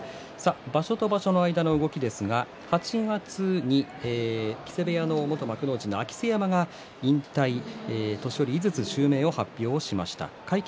場所と場所の間の動きですが８月に木瀬部屋の元幕内の明瀬山が引退し年寄井筒襲名を発表しました。